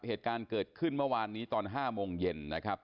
เหตุการณ์เกิดขึ้นเมื่อวานนี้ตอน๕โมงเย็นนะครับ